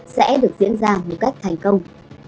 sẽ được diễn ra một cách thành công